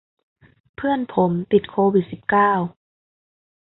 เพื่อนผมติดโควิดสิบเก้า